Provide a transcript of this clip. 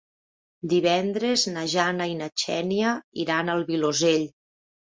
Divendres na Jana i na Xènia iran al Vilosell.